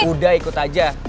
udah ikut aja